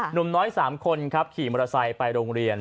หนุ่มน้อย๓คนครับขี่มอเตอร์ไซค์ไปโรงเรียน